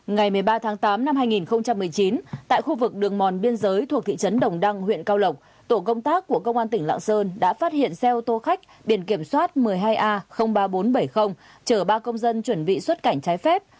ngày một mươi ba tháng tám năm hai nghìn một mươi chín tại khu vực đường mòn biên giới thuộc thị trấn đồng đăng huyện cao lộc tổ công tác của công an tỉnh lạng sơn đã phát hiện xe ô tô khách biển kiểm soát một mươi hai a ba nghìn bốn trăm bảy mươi chở ba công dân chuẩn bị xuất cảnh trái phép